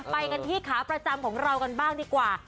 ไปกันที่ขาประจำของเรากันบ้างดีกว่า